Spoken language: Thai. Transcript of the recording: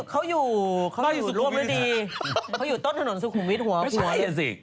เขาอยู่รวมหรือดีเขาอยู่ต้นถนนสุขุมวิทย์หัวหัวไม่ใช่น่ะสิ